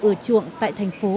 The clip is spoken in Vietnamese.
ở chuộng tại thành phố